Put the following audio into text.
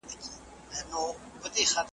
د سړیو غلبلې سي انګولا سي د لېوانو `